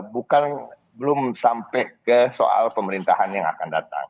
bukan belum sampai ke soal pemerintahan yang akan datang